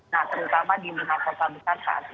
nah terutama di indonesia besar besar saat ini